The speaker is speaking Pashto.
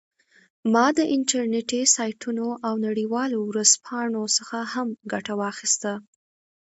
ما د انټرنیټي سایټونو او نړیوالو ورځپاڼو څخه هم ګټه واخیسته